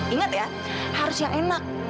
ingat ya harus yang enak